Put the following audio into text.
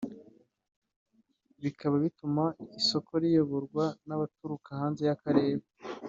bikaba bituma isoko riyoborwa n’abaturuka hanze y’akarere